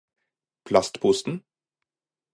plastposen